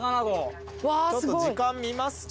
ちょっと時間見ますか。